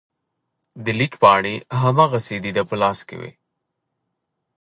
د لیک پاڼې هماغسې د ده په لاس کې وې.